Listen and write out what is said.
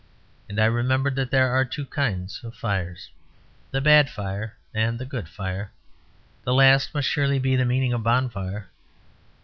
And I remembered that there are two kinds of fires, the Bad Fire and the Good Fire the last must surely be the meaning of Bonfire.